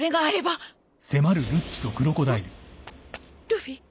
ルフィ？